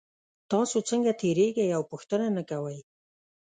تاسو څنګه تیریږئ او پوښتنه نه کوئ